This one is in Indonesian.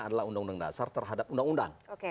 adalah undang undang dasar terhadap undang undang